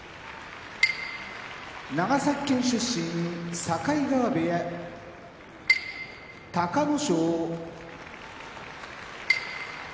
長崎県出身境川部屋隆の勝千葉県出身